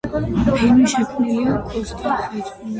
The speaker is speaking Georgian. ფილმი შექმნილია კოსტა ხეთაგუროვის ამავე სახელწოდების პოემის მიხედვით.